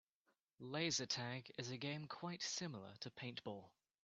Laser tag is a game quite similar to paintball.